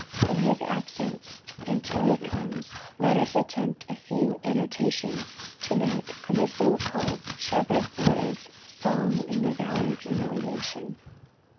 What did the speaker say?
In his absence, and till he comes, let us attempt a few annotations to night on this so called shepherd boy's song in the Valley of Humiliation.